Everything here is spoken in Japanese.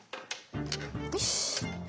よし。